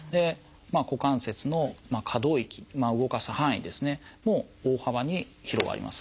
股関節の可動域動かす範囲ですねも大幅に広がります。